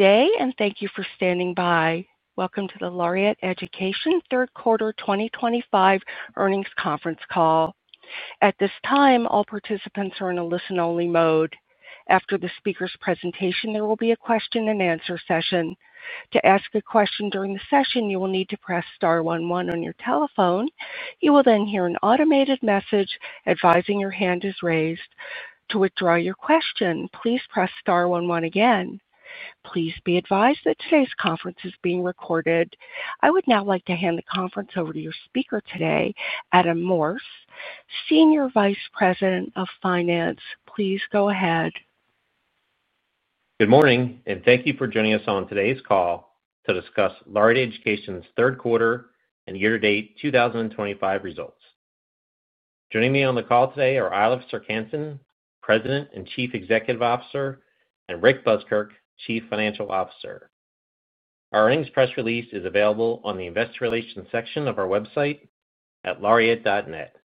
Good day and thank you for standing by. Welcome to the Laureate Education third quarter 2025 earnings conference call. At this time, all participants are in a listen-only mode. After the speaker's presentation, there will be a question and answer session. To ask a question during the session, you will need to press star 11 on your telephone. You will then hear an automated message advising your hand is raised. To withdraw your question, please press star 11 again. Please be advised that today's conference is being recorded. I would now like to hand the conference over to your speaker today, Adam Morse, Senior Vice President of Finance. Please go ahead. Good morning and thank you for joining us on today's call to discuss Laureate Education's third quarter and year-to-date 2025 results. Joining me on the call today are Eilif Serck-Hanssen, President and Chief Executive Officer, and Rick Buskirk, Chief Financial Officer. Our earnings press release is available on the Investor Relations section of our website at laureate.net.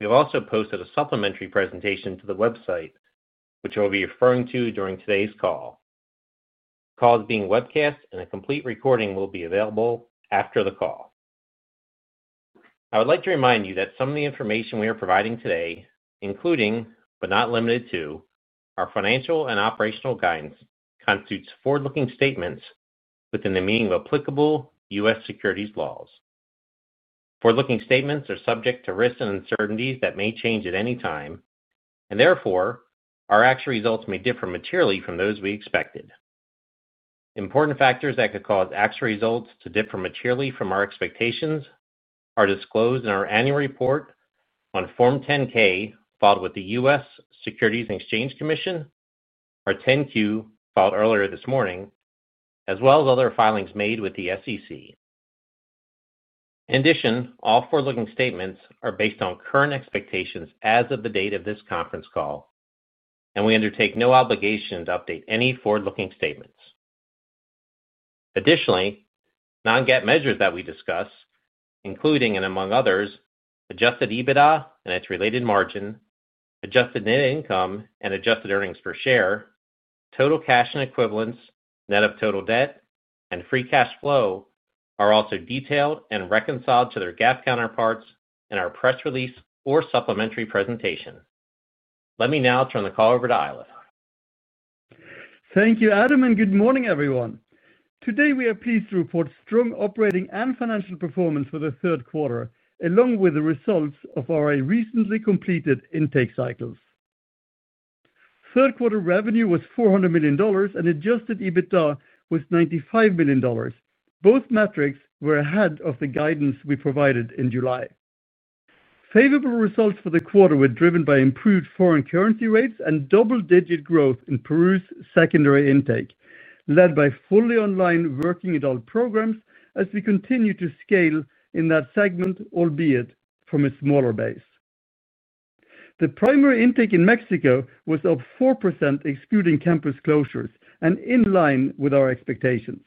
We have also posted a supplementary presentation to the website which we will be referring to during today's call. The call is being webcast and a complete recording will be available after the call. I would like to remind you that some of the information we are providing today, including but not limited to our financial and operational guidance, constitutes forward-looking statements within the meaning of applicable U.S. securities laws. Forward-looking statements are subject to risks and uncertainties that may change at any time and therefore our actual results may differ materially from those we expected. Important factors that could cause actual results to differ materially from our expectations are disclosed in our annual report on Form 10-K filed with the U.S. Securities and Exchange Commission, our 10-Q filed earlier this morning, as well as other filings made with the SEC. In addition, all forward-looking statements are based on current expectations as of the date of this conference call and we undertake no obligation to update any forward-looking statements. Additionally, non-GAAP measures that we discuss, including and among others adjusted EBITDA and its related margin, adjusted net income and adjusted earnings per share, total cash and equivalents, net of total debt and free cash flow are also detailed and reconciled to their GAAP counterparts in our press release or supplementary presentation. Let me now turn the call over to Eilif. Thank you, Adam, and good morning, everyone. Today we are pleased to report strong operating and financial performance for the third quarter along with the results of our recently completed intake cycles. Third quarter revenue was $400 million and adjusted EBITDA was $95 million. Both metrics were ahead of the guidance we provided in July. Favorable results for the quarter were driven by improved foreign currency rates and double-digit growth in Peru's secondary intake, led by fully online working adult programs. As we continue to scale in that segment, albeit from a smaller base, the primary intake in Mexico was up 4% excluding campus closures and in line with our expectations.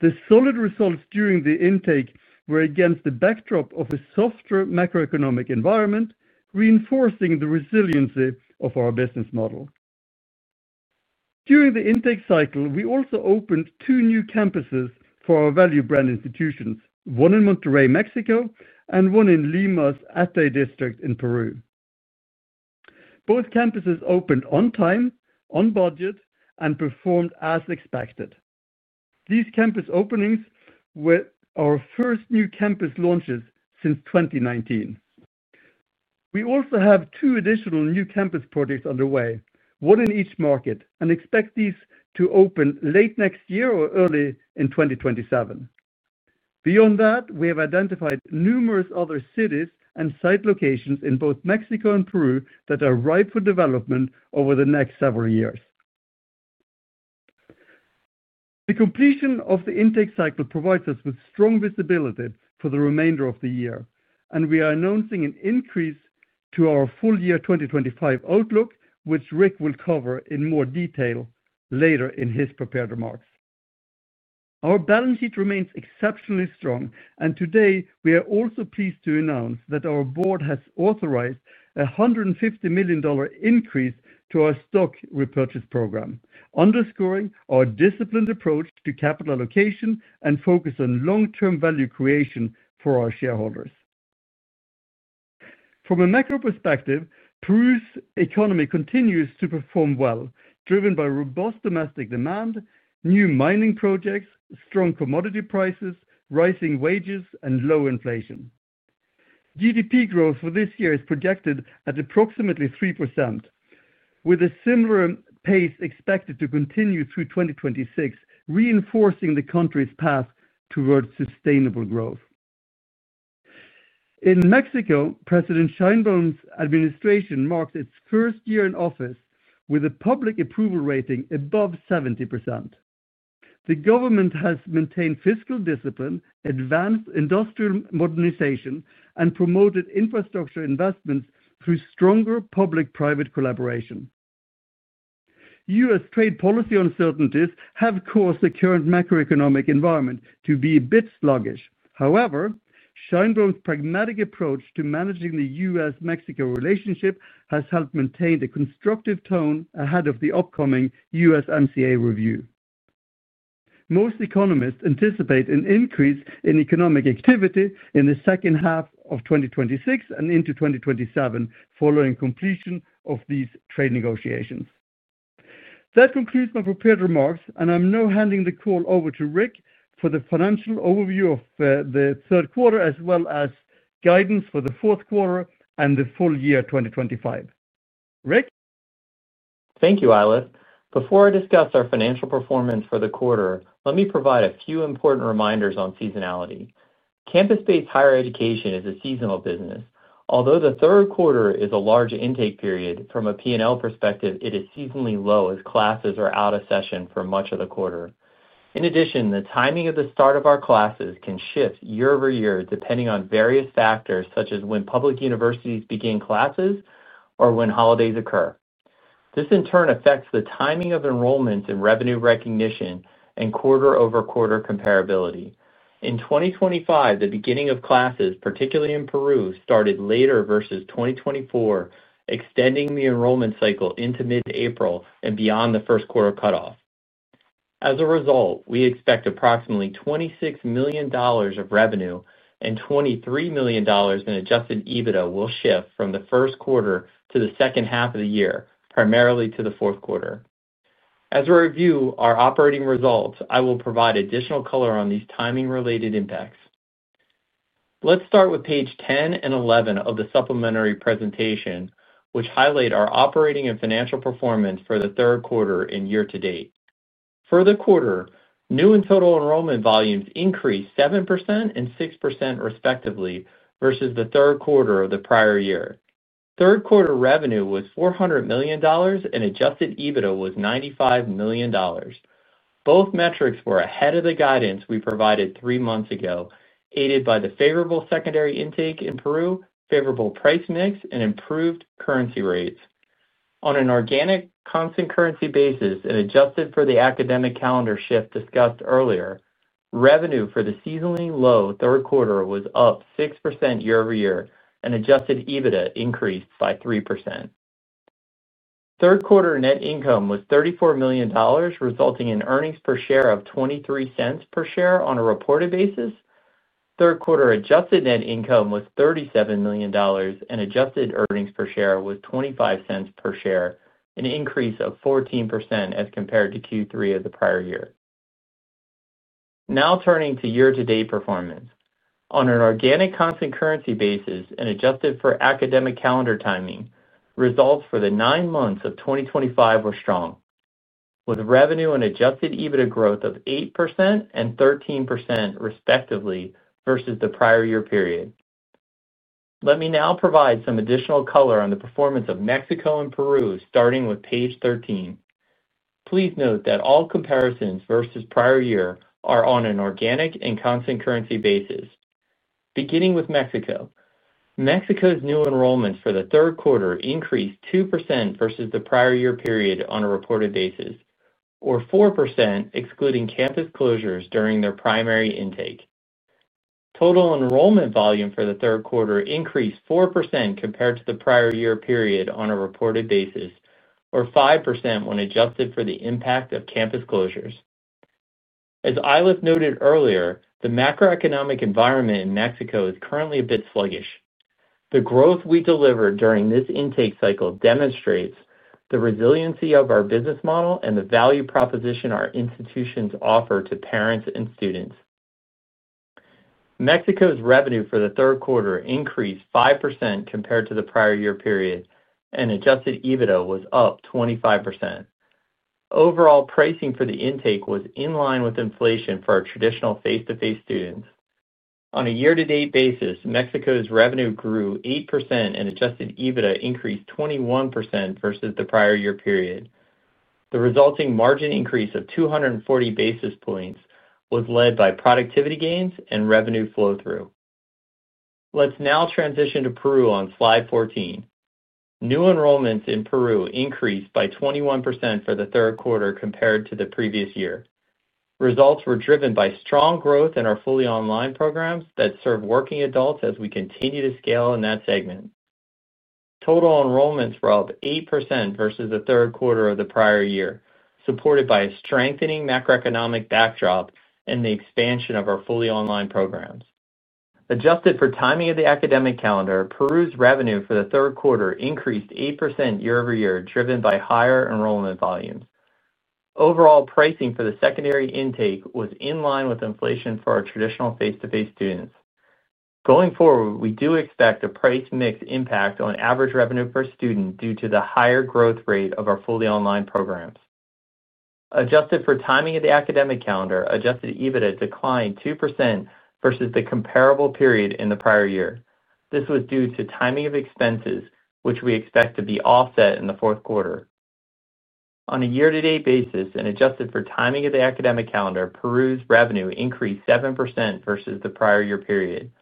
The solid results during the intake were against the backdrop of a softer macroeconomic environment, reinforcing the resiliency of our business model. During the intake cycle, we also opened two new campuses for our value brand campuses, one in Monterrey, Mexico, and one in Lima's Ate district in Peru. Both campuses opened on time, on budget, and performed as expected. These campus openings were our first new campus launches since 2019. We also have two additional new campus projects underway, one in each market, and expect these to open late next year or early in 2027. Beyond that, we have identified numerous other cities and site locations in both Mexico and Peru that are ripe for development over the next several years. The completion of the intake cycle provides us with strong visibility for the remainder of the year, and we are announcing an increase to our full year 2025 outlook, which Rick will cover in more detail later in his prepared remarks. Our balance sheet remains exceptionally strong, and today we are also pleased to announce that our board has already authorized a $150 million increase to our stock repurchase program, underscoring our disciplined approach to capital allocation and focus on long-term value creation for our shareholders. From a macro perspective, Peru's economy continues to perform well, driven by robust domestic demand, new mining projects, strong commodity prices, rising wages, and low inflation. GDP growth for this year is projected at approximately 3%, with a similar pace expected to continue through 2026, reinforcing the country's path towards sustainable growth. In Mexico, President Sheinbaum's administration marks its first year in office with a public approval rating above 70%. The government has maintained fiscal discipline and advanced industrial modernization and promoted infrastructure investments through stronger public-private collaboration. U.S. trade policy uncertainties have caused the current macroeconomic environment to be a bit sluggish. However, Sheinbaum's pragmatic approach to managing the U.S.-Mexico relationship has helped maintain the constructive tone ahead of the upcoming USMCA review. Most economists anticipate an increase in economic activity in the second half of 2026 and into 2027 following completion of these trade negotiations. That concludes my prepared remarks and I'm now handing the call over to Rick for the financial overview of the third quarter as well as guidance for the fourth quarter and the full year 2025. Rick? Thank you. Eilif, before I discuss our financial performance for the quarter, let me provide a few important reminders on seasonality. Campus-based higher education is a seasonal business. Although the third quarter is a large intake period from a P&L perspective, it is seasonally low as classes are out of session for much of the quarter. In addition, the timing of the start of our classes can shift year-over-year depending on various factors such as when public universities begin classes or when holidays occur. This in turn affects the timing of enrollments and revenue recognition and quarter-over-quarter comparability. In 2025, the beginning of classes, particularly in Peru, started later versus 2024, extending the enrollment cycle into mid-April and beyond the first quarter cutoff. As a result, we expect approximately $26 million of revenue and $23 million in adjusted EBITDA will shift from the first quarter to the second half of the year, primarily to the fourth quarter. As we review our operating results, I will provide additional color on these timing-related impacts. Let's start with page 10 and 11 of the supplementary presentation, which highlight our operating and financial performance for the third quarter and year-to-date. For the quarter, new and total enrollment volumes increased 7% and 6% respectively versus the third quarter of the prior year. Third quarter revenue was $400 million and adjusted EBITDA was $95 million. Both metrics were ahead of the guidance we provided three months ago, aided by the favorable secondary intake in Peru, favorable price mix, and improved currency rates on an organic constant currency basis and adjusted for the academic calendar shift discussed earlier. Revenue for the seasonally low third quarter was up 6% year-over-year and adjusted EBITDA increased by 3%. Third quarter net income was $34 million, resulting in earnings per share of $0.23 per share. On a reported basis, third quarter adjusted net income was $37 million and adjusted earnings per share was $0.25 per share, an increase of 14% as compared to Q3 of the prior year. Now turning to year-to-date performance on an organic constant currency basis and adjusted for academic calendar timing. Results for the nine months of 2025 were strong with revenue and adjusted EBITDA growth of 8% and 13% respectively, versus the prior year period. Let me now provide some additional color on the performance of Mexico and Peru, starting with page 13. Please note that all comparisons versus prior year are on an organic and constant currency basis. Beginning with Mexico, Mexico's new enrollments for the third quarter increased 2% versus the prior year period on a reported basis or 4% excluding campus closures during their primary intake. Total enrollment volume for the third quarter increased 4% compared to the prior year period on a reported basis or 5% when adjusted for the impact of campus closures. As Eilif noted earlier, the macroeconomic environment in Mexico is currently a bit sluggish. The growth we deliver during this intake cycle demonstrates the resiliency of our business model and the value proposition our institutions offer to parents and students. Mexico's revenue for the third quarter increased 5% compared to the prior year period. Adjusted EBITDA was up 25%. Overall pricing for the intake was in line with inflation for our traditional face to face students. On a year-to-date basis, Mexico's revenue grew 8% and adjusted EBITDA increased 21% versus the prior year period. The resulting margin increase of 240 basis points was led by productivity gains and revenue flow through. Let's now transition to Peru on Slide 14. New enrollments in Peru increased by 21% for the third quarter compared to the previous year. Results were driven by strong growth in our fully online programs that serve working adults as we continue to scale in that segment. Total enrollments were up 8% versus the third quarter of the prior year, supported by a strengthening macroeconomic backdrop and the expansion of our fully online programs. Adjusted for timing of the academic calendar, Peru's revenue for the third quarter increased 8% year-over-year, driven by higher enrollment volumes. Overall pricing for the secondary intake was in line with inflation for our traditional face to face students. Going forward, we do expect a price mix impact on average revenue per student due to the higher growth rate of our fully online programs. Adjusted for timing of the academic calendar, adjusted EBITDA declined 2% versus the comparable period in the prior year. This was due to timing of expenses, which we expect to be offset in the fourth quarter. On a year-to-date basis and adjusted for timing of the academic calendar, Peru's revenue increased 7% versus the prior year period.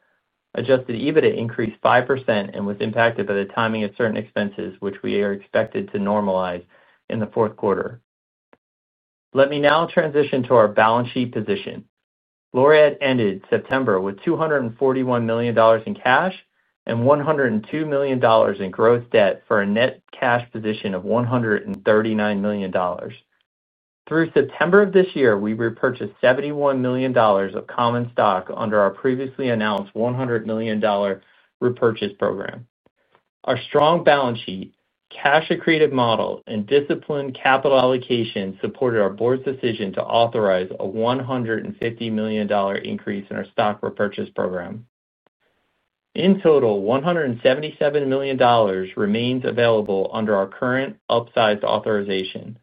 Adjusted EBITDA increased 5% and was impacted by the timing of certain expenses, which we expect to normalize in the fourth quarter. Let me now transition to our balance sheet position. Laureate ended September with $241 million in cash and $102 million in gross debt for a net cash position of $139 million through September of this year. We repurchased $71 million of common stock under our previously announced $100 million repurchase program. Our strong balance sheet, cash accretive model, and disciplined capital allocation supported our Board's decision to authorize a $150 million increase in our stock repurchase program. In total, $177 million remains available under our current upsized authorization.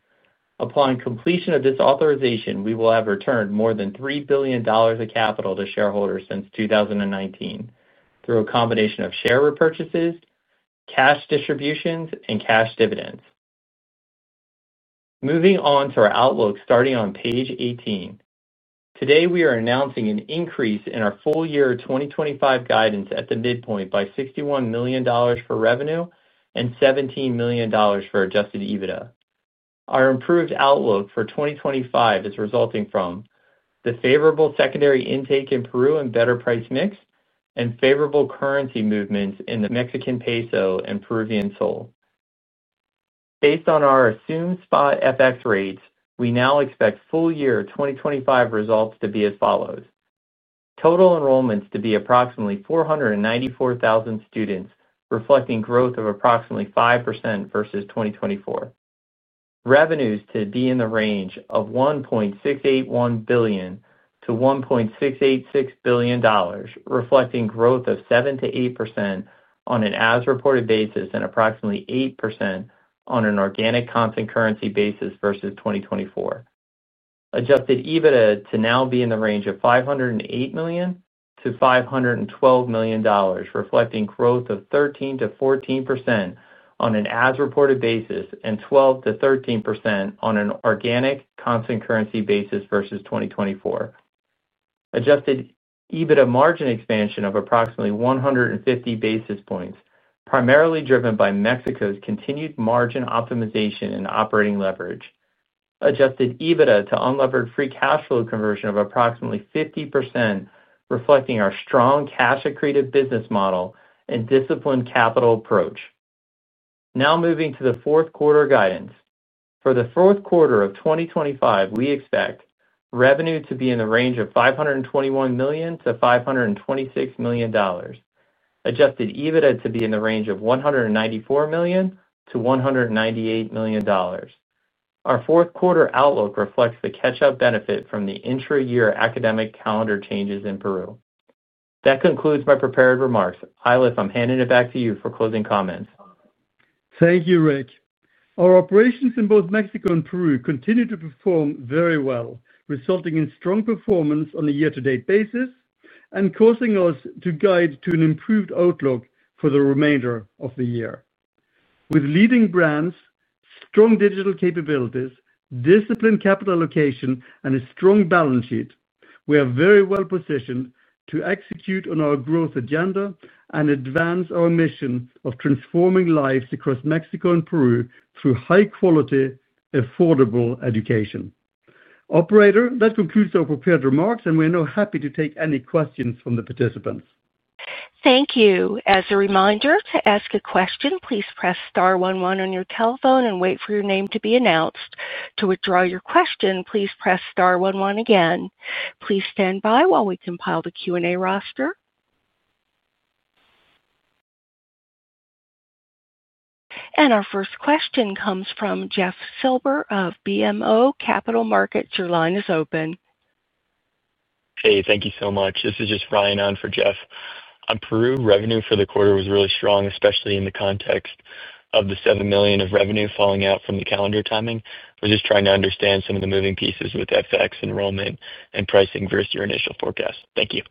Upon completion of this authorization, we will have returned more than $3 billion of capital to shareholders since 2019 through a combination of share repurchases, cash distributions, and cash dividends. Moving on to our outlook, starting on page 18, today we are announcing an increase in our full year 2025 guidance at the midpoint by $61 million for revenue and $17 million for adjusted EBITDA. Our improved outlook for 2025 is resulting from the favorable secondary intake in Peru and better price mix and favorable currency movements in the Mexican peso and Peruvian sol. Based on our assumed spot FX rates, we now expect full year 2025 results to be as follows. Total enrollments to be approximately 494,000 students, reflecting growth of approximately 5% versus 2024. Revenues to be in the range of $1.681 billion-$1.686 billion, reflecting growth of 7%-8% on an as reported basis and approximately 8% on an organic constant currency basis versus 2024. Adjusted EBITDA to now be in the range of $508 million-$512 million, reflecting growth of 13%-14% on an as reported basis and 12%-13% on an organic constant currency basis versus 2024. Adjusted EBITDA margin expansion of approximately 150 basis points, primarily driven by Mexico's continued margin optimization and operating leverage. Adjusted EBITDA to unlevered free cash flow conversion of approximately 50%, reflecting our strong cash accretive business model and disciplined capital approach. Now moving to the fourth quarter guidance, for the fourth quarter of 2025 we expect revenue to be in the range of $521 million-$526 million. Adjusted EBITDA to be in the range of $194 million-$198 million. Our fourth quarter outlook reflects the catch up benefit from the intra-year academic calendar changes in Peru. That concludes my prepared remarks. Eilif, I'm handing it back to you for closing comments. Thank you, Rick. Our operations in both Mexico and Peru continue to perform very well, resulting in strong performance on a year-to-date basis and causing us to guide to an improved outlook for the remainder of the year. With leading brands, strong digital capabilities, disciplined capital allocation, and a strong balance sheet, we are very well positioned to execute on our growth agenda and advance our mission of transforming lives across Mexico and Peru through high-quality, affordable education. Operator, that concludes our prepared remarks, and we are now happy to take any questions from the participants. Thank you. As a reminder to ask a question, please press star one one on your telephone and wait for your name to be announced. To withdraw your question, please press star one one again. Please stand by while we compile the Q&A roster. Our first question comes from Jeff Silber of BMO Capital Markets. Your line is open. Hey, thank you so much. This is just Ryan on for Jeff. On Peru, revenue for the quarter was really strong, especially in the context of the $7 million of revenue falling out from the calendar timing. We're just trying to understand some of the moving pieces with FX, enrollment, and pricing versus your initial forecast. Thank you.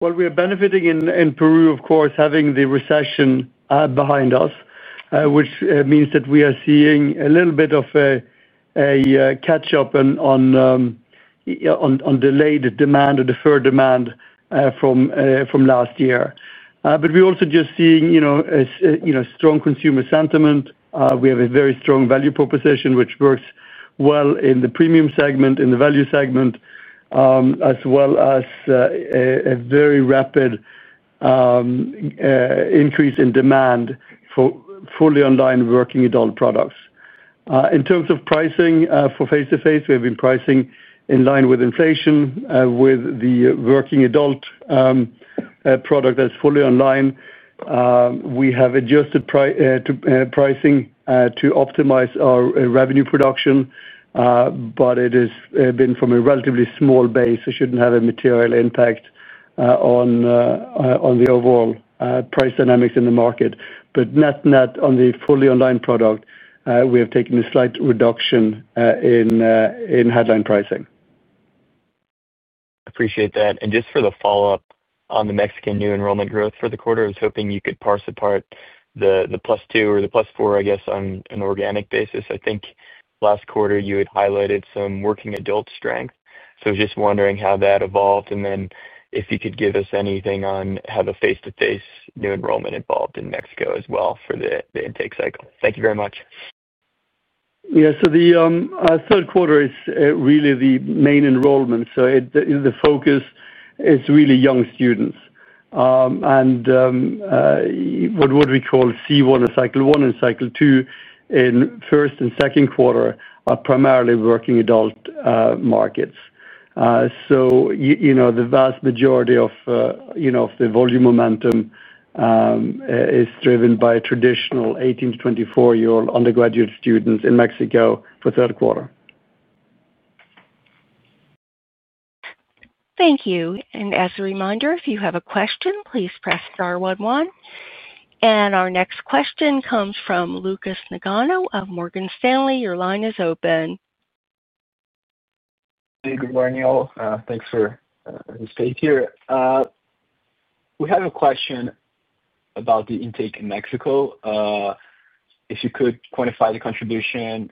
We are benefiting in Peru, of course, having the recession behind us, which means that we are seeing a little bit of a catch up on delayed demand or deferred demand from last year. We also just see strong consumer sentiment. We have a very strong value proposition which works well in the premium segment, in the value segment, as well as a very rapid increase in demand for fully online working adult products. In terms of pricing for face to face, we have been pricing in line with inflation. With the working adult product that's fully online, we have adjusted pricing to optimize our revenue production, but it has been from a relatively small base. It shouldn't have a material impact on the overall price dynamics in the market. Net net, on the fully online product, we have taken a slight reduction in headline pricing. Appreciate that. Just for the follow up on the Mexican new enrollment growth for the quarter, I was hoping you could parse apart the +2% or the +4%, I guess on an organic basis. I think last quarter you had highlighted some working adult strength. Just wondering how that evolved. If you could give us anything on how the face-to-face new enrollment evolved in Mexico as well for the intake cycle. Thank you very much. Yeah, the third quarter is really the main enrollment. The focus is really young students and what we call C1 or cycle one and cycle two in first and second quarter are primarily working adult markets. The vast majority of the volume momentum is driven by traditional 18-24 year old undergraduate students in Mexico for third quarter. Thank you. As a reminder, if you have a question, please press star 11. Our next question comes from Lucas Nagano of Morgan Stanley. Your line is open. Good morning all. Thanks for staying here. We have a question about the intake in Mexico. If you could quantify the contribution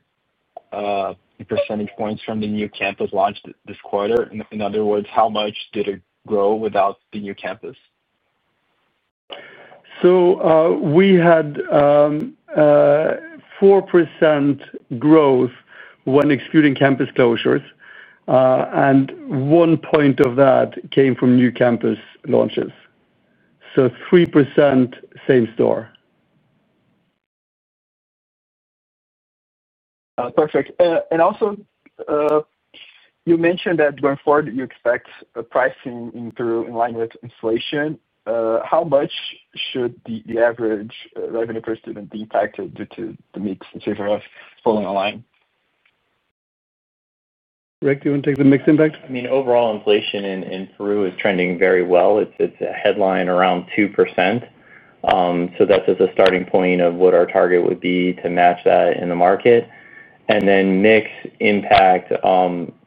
% points from the new campus launched this quarter, in other words, how much did it grow without the new campus? We had 4% growth when excluding campus closures, and one point of that came from new campus launches. 3% was same store. Perfect. You also mentioned that going forward. You expect pricing to improve in line with inflation. How much should the average revenue per student be impacted due to the mix in favor of fully online programs? Rick, do you want to take the mix impact? Overall inflation in Peru is trending very well. It's a headline around 2%. That's as a starting point of what our target would be to match that in the market. The mix impact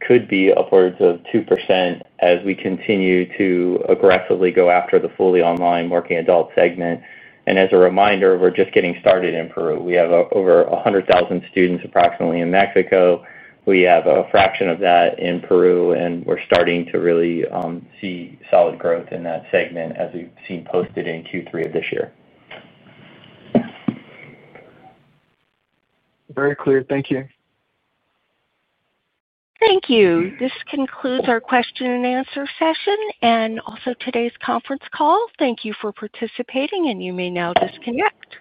could be upwards of 2% as we continue to aggressively go after the fully online working adult segment. As a reminder, we're just getting started in Peru. We have over 100,000 students approximately in Mexico. We have a fraction of that in Peru, and we're starting to really see solid growth in that segment as we've seen posted in Q3 of this year. Very clear. Thank you. Thank you. This concludes our question and answer session and also today's conference call. Thank you for participating, and you may now disconnect.